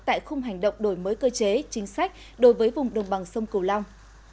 tại khung hành động đổi mới cơ chế chính sách đối với vùng đồng bằng sông cửu long